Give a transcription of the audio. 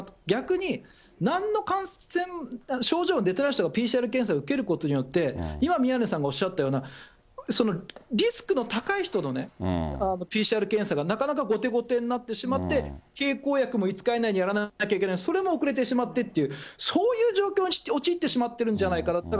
逆になんの感染、症状出てない人がＰＣＲ検査を受けることによって、今、宮根さんがおっしゃったようなリスクの高い人のね、ＰＣＲ検査がなかなか後手後手になってしまって、経口薬も５日以内にやらなきゃいけない、それも遅れてしまってっていう、そういう状況に陥ってしまってるんじゃないかな。